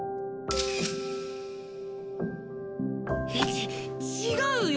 ち違うよ！